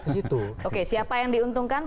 ke situ oke siapa yang diuntungkan